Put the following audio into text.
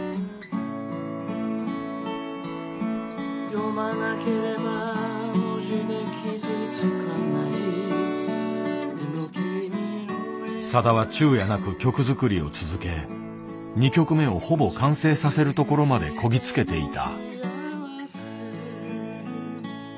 「読まなければ文字で傷つかない」さだは昼夜なく曲作りを続け２曲目をほぼ完成させるところまでこぎ着けていた。